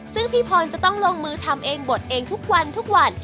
ซึ่งพี่พรจะต้องลงมือทำเองบดเองทุกวันทุกวัน